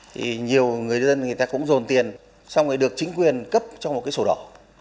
thì nhiều người dân người ta cũng dồn tiền xong rồi được chính quyền cấp cho một cái sổ đỏ